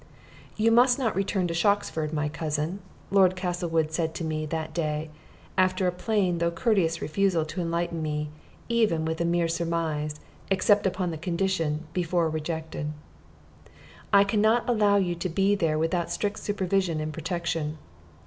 "You must not return to Shoxford, my cousin," Lord Castlewood said to me that day, after a plain though courteous refusal to enlighten me even with a mere surmise, except upon the condition before rejected. "I can not allow you to be there without strict supervision and protection.